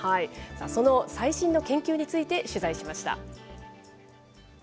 その最新の研究について取材しました。